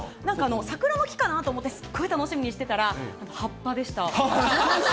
なんか桜の木かなと思ってすごい楽しみにしてたら、葉っぱでした。